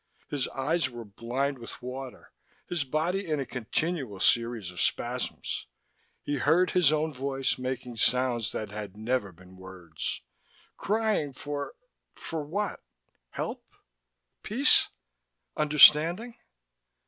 His eyes were blind with water, his body in a continual series of spasms. He heard his own voice, making sounds that had never been words, crying for for what? Help, peace, understanding?